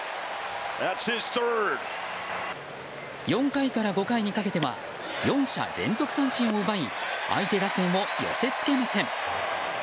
４回から５回にかけては４者連続三振を奪い相手打線を寄せ付けません。